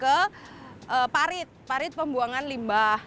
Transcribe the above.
ke parit parit pembuangan limbah